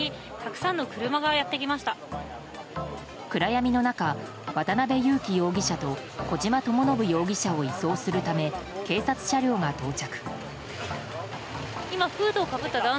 暗闇の中、渡辺優樹容疑者と小島智信容疑者を移送するため警察車両が到着。